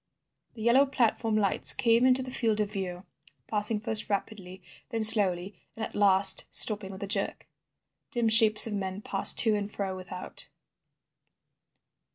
The yellow platform lights came into the field of view, passing first rapidly, then slowly, and at last stopping with a jerk. Dim shapes of men passed to and fro without.